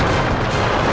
aku akan menang